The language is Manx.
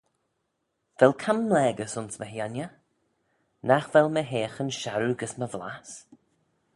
Vel camlaagys ayns my hengey? nagh vel my heaghyn sharroo gys my vlass?